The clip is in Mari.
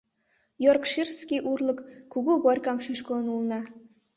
Йоркширский урлык кугу «Борькам» шӱшкылын улына.